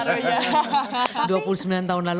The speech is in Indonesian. dua puluh sembilan tahun lalu ada juga